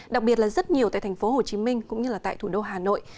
đặc biệt là rất nhiều tại thành phố hồ chí minh cũng như là tại thủ đô hà nội